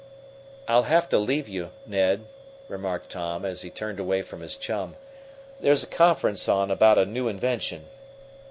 "I'll have to leave you, Ned," remarked Tom, as he turned away from his chum. "There's a conference on about a new invention."